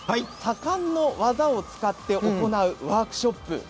左官の技を使って行うワークショップ